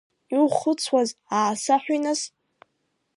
Иухәыцуаз аасаҳәи нас!